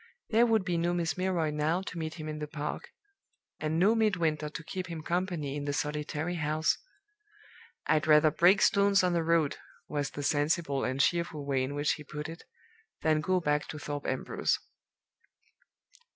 There would be no Miss Milroy now to meet him in the park, and no Midwinter to keep him company in the solitary house. 'I'd rather break stones on the road,' was the sensible and cheerful way in which he put it, 'than go back to Thorpe Ambrose.